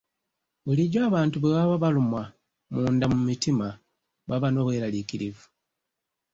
Bulijjo abantu bwe baba balumwa munda mu mitima baba n'obweraliikirivu.